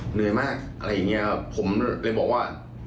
เหนื่อยมากอะไรอย่างเงี้ยครับผมเลยบอกว่า